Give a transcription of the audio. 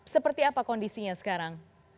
seperti apa kondisinya sekarang